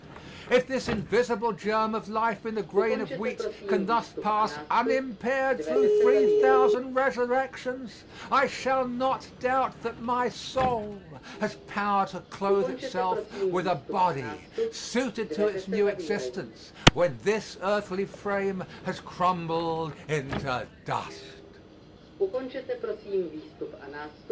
If this invisible germ of life in the grain of wheat can thus pass unimpaired through three thousand resurrections, I shall not doubt that my soul has power to clothe itself with a body suited to its new existence when this earthly frame has crumbled into dust.